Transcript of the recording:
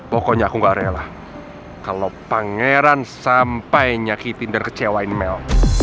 pokoknya aku gak rela kalau pangeran sampai nyakitin dan kecewain mel